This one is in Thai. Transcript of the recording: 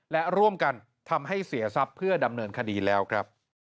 และร่วมกันทำให้เสียทรัพย์เพื่อดำเนินคดีแล้วครับ